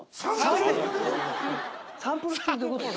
サンプルってどういう事？